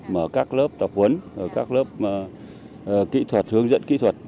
mở các lớp tập huấn các lớp hướng dẫn kỹ thuật